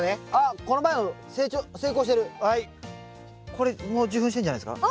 これも受粉してんじゃないですか？